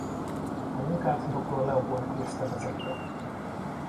A munkát dr. Leopold Kirste vezette.